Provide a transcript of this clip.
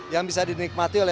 yang bisa dinikmati oleh